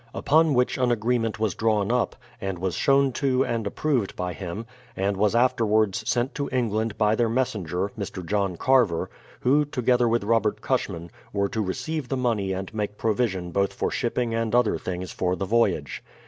Upon which an agree ment was drawn up, and was shown to and approved by him, and was afterwards sent to England by their messen ger, Mr. John Carver, who, together with Robert Cushman, were to receive the money and make provision both for shipping and other things for the voyage.